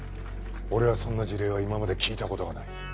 俺はそんな事例は今まで聞いた事がない。